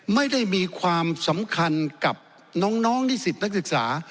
ไม่ได้มีความสำคัญกับน้องนิสิตนักศึกษา